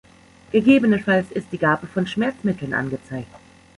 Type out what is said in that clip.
Gegebenenfalls ist die Gabe von Schmerzmitteln angezeigt.